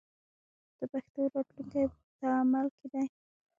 د پښتو راتلونکی په عمل کې دی.